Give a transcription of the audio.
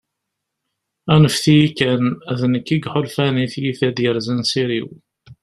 anfet-iyi kan, d nekk i yeḥulfan, i tyita i d-yerzan s iri-w